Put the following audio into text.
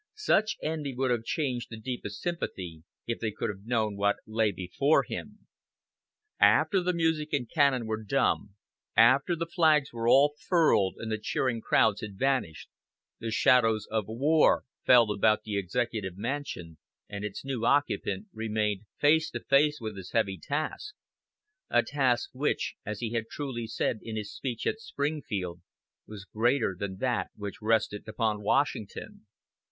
Such envy would have been changed to deepest sympathy if they could have known what lay before him. After the music and cannon were dumb, after the flags were all furled and the cheering crowds had vanished, the shadows of war fell about the Executive Mansion, and its new occupant remained face to face with his heavy task a task which, as he had truly said in his speech at Springfield, was greater than that which rested upon Washington.